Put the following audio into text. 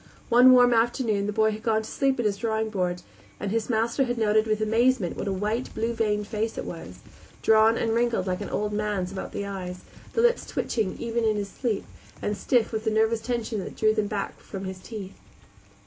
One warm afternoon the boy had gone to sleep at his drawing board, and his master had noted with amazement what a white, blue veined face it was; drawn and wrinkled like an old man's about the eyes, the lips twitching even in his sleep, and stiff with a nervous tension that drew them back from his teeth.